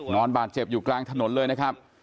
นอนบาดเจ็บอยู่กลางถนนเลยนะครับ